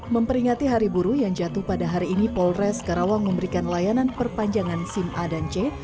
memperingati hari buruh yang jatuh pada hari ini polres karawang memberikan layanan perpanjangan sim a dan c